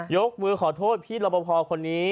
ยกมือขอโทษพี่ลบพอร์คนนี้